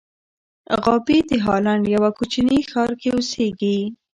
غابي د هالنډ یوه کوچني ښار کې اوسېږي.